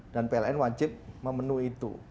dan pln wajib memenuhi itu